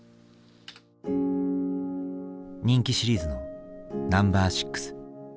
人気シリーズの「ＮＯ．６」。